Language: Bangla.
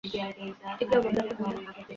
এ কী অবহেলা কুমুদের?